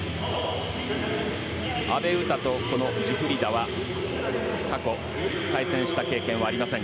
阿部詩とジュフリダは過去、対戦した経験はありません。